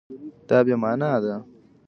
دا بې مانا ده